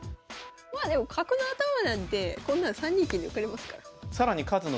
まあでも角の頭なんてこんなん３二金で受かりますから。